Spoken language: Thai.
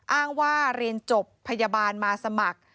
อ้างว่าเรียนจบพยาบาลมาสมัคร